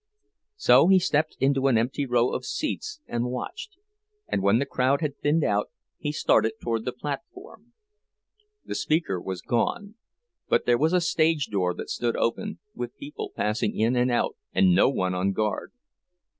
So he stepped into an empty row of seats and watched, and when the crowd had thinned out, he started toward the platform. The speaker was gone; but there was a stage door that stood open, with people passing in and out, and no one on guard.